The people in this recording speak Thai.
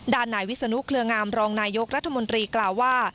นายวิศนุเครืองามรองนายกรัฐมนตรีกล่าวว่า